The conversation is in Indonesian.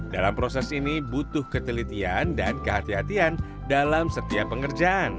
dalam proses ini butuh ketelitian dan kehatian dalam setiap pengerjaan